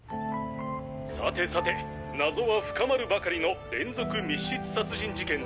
さてさて謎は深まるばかりの連続密室殺人事件ですが。